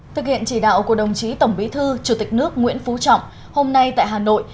thực hiện chỉ đạo của đồng chí tổng bí thư chủ tịch nước nguyễn phú trọng hôm nay tại hà nội